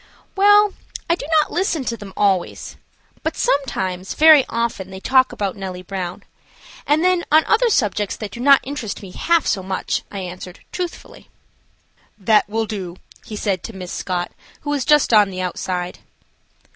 "Well, I do not listen to them always. But sometimes, very often, they talk about Nellie Brown, and then on other subjects that do not interest me half so much," I answered, truthfully. "That will do," he said to Miss Scott, who was just on the outside.